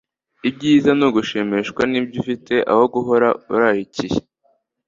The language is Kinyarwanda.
ibyiza ni ugushimishwa n'ibyo ufite aho guhora urarikiye